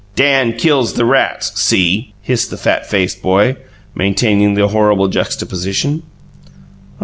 "Dan kills the rats. See?" hissed the fat faced boy, maintaining the horrible juxtaposition.